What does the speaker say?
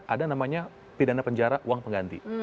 ada namanya pidana penjara uang pengganti